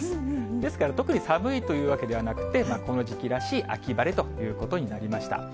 ですから特に寒いというわけではなくて、この時期らしい秋晴れということになりました。